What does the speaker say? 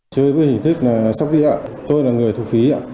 chưa có hình thức sốc đi ạ tôi là người thu phí